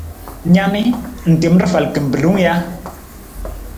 Na ni, ng tem rafal kimbilung ja?